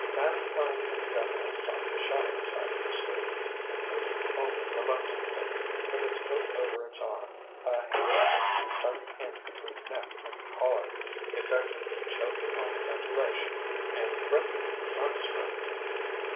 Mankind in general sought the shadowed side of the street and moved only reluctantly, with its coat over its arm, a handkerchief tucked in between neck and collar effectually choking off ventilation and threatening "sun stroke."